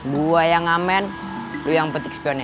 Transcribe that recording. gue yang ngamen lo yang petik spionnya